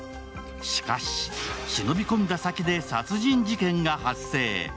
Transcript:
しかし、忍び込んだ先で殺人事件が発生。